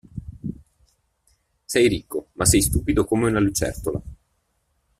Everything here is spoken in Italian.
Sei ricco ma sei stupido come una lucertola.